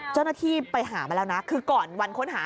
เจ้าหน้าที่ไปหามาแล้วนะคือก่อนวันค้นหา